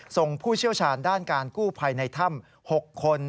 ผู้เชี่ยวชาญด้านการกู้ภัยในถ้ำ๖คน